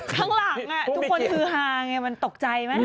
ทั้งหลังทุกคนคือฮามันตกใจมั้ย